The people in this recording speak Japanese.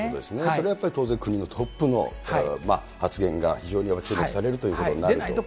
それはやっぱり国のトップの発言が非常に注目されることになると。